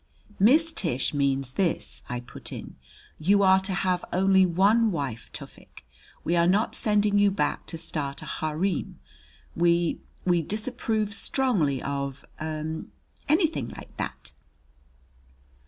"Miss Tish means this," I put in, "you are to have only one wife, Tufik. We are not sending you back to start a harem. We we disapprove strongly of er anything like that."